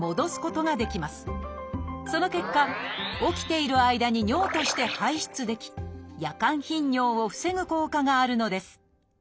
その結果起きている間に尿として排出でき夜間頻尿を防ぐ効果があるのです。